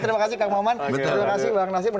terima kasih bang nasi